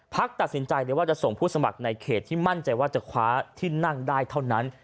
ตัดสินใจเลยว่าจะส่งผู้สมัครในเขตที่มั่นใจว่าจะคว้าที่นั่งได้เท่านั้น